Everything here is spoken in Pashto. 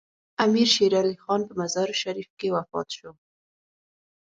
امیر شیر علي خان په مزار شریف کې وفات شو.